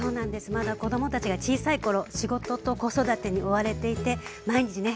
まだ子供たちが小さい頃仕事と子育てに追われていて毎日ね